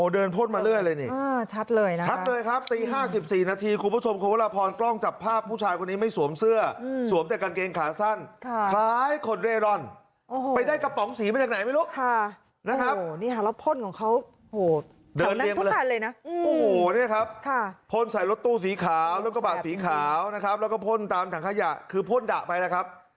ดูสีขาวแล้วก็บาดสีขาวนะครับแล้วก็พ่นตามถังขยะคือพ่นดะไปแล้วครับ